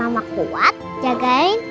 dan mama kuat jagain